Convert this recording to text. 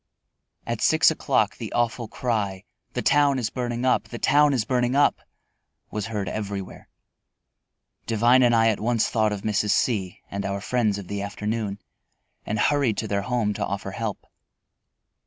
At six o'clock the awful cry, "The town is burning up, the town is burning up!" was heard everywhere. Devine and I at once thought of Mrs. C and our friends of the afternoon, and hurried to their home to offer help.